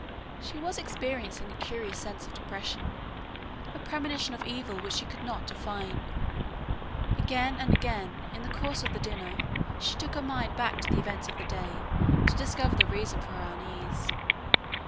She was experiencing a curious sense of depression, a premonition of evil which she could not define. Again and again in the course of the dinner she took her mind back to the events of the day to discover the reason for her unease.